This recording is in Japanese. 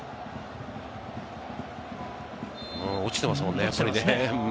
落ちていますもんね。